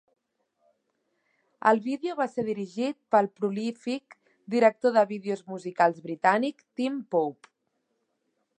El vídeo va ser dirigit pel prolífic director de vídeos musicals britànic, Tim Pope.